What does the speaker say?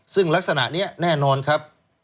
ซึ่งลักษณะนี้แน่นอนครับ